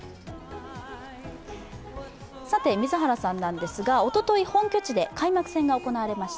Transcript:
水原さんなんですが、おととい本拠地で開幕戦が行われました。